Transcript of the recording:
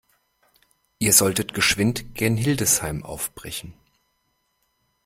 Ihr solltet geschwind gen Hildesheim aufbrechen.